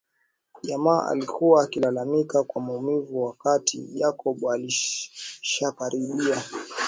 Jamaa alikuwa akilalamika kwa maumivu wakati Jacob alishakaribia